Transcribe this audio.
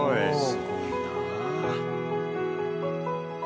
すごいなあ。